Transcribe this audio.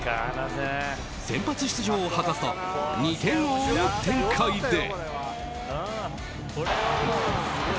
先発出場を果たすと２点を追う展開で。